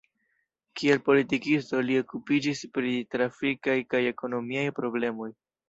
Kiel politikisto li okupiĝis pri trafikaj kaj ekonomiaj problemoj.